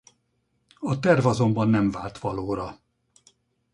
A terv azonban nem vált valóra.